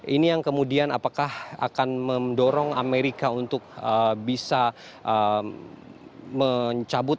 ini yang kemudian apakah akan mendorong amerika untuk bisa mencabut